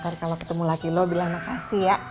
ntar kalau ketemu laki lo bilang makasih ya